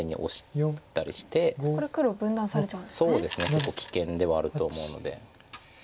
結構危険ではあると思うので。